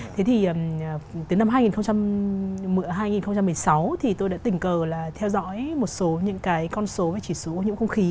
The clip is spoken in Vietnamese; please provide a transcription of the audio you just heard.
thế thì tới năm hai nghìn một mươi sáu thì tôi đã tỉnh cờ là theo dõi một số những cái con số và chỉ số nhiễm không khí